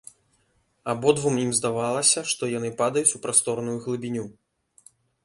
Абодвум ім здавалася, што яны падаюць у прасторную глыбіню.